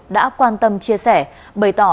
đã quan tâm chia sẻ bày tỏ